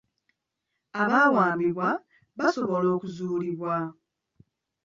Abawambibwa basobola okuzuulibwa.